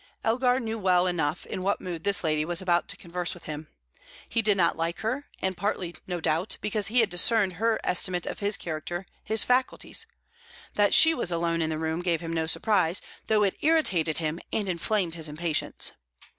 Elgar knew well enough in what mood this lady was about to converse with him. He did not like her, and partly, no doubt, because he had discerned her estimate of his character, his faculties. That she alone was in the room gave him no surprise, though it irritated him and inflamed his impatience.